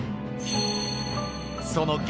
その激